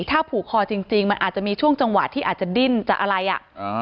ถ้าผูกคอจริงมันอาจจะมีช่วงจังหวะที่อาจจะดิ้นจะอะไรอ่ะ